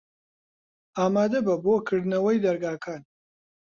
ئامادە بە بۆ کردنەوەی دەرگاکان.